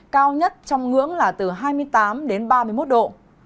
cao nhất trong ngưỡng là từ hai mươi tám đến ba mươi một độ